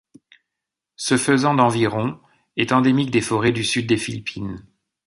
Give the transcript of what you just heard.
Ce faisan d'environ est endémique des forêts du sud des Philippines.